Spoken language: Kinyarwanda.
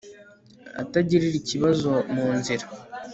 atagirira ikibazo munzira